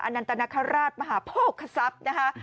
อนันตนาคาราชมหาโพฮคสัพนะคะ